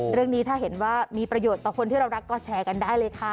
เรื่องนี้ถ้าเห็นว่ามีประโยชน์ต่อคนที่เรารักก็แชร์กันได้เลยค่ะ